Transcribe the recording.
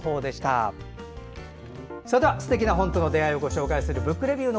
それでは素敵な本との出会いをお届けする「ブックレビュー」。